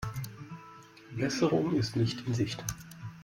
Besserung ist nicht in Sicht.